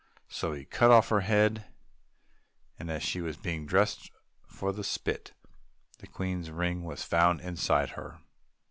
So he cut off her head, and as she was being dressed for the spit, the Queen's ring was found inside her.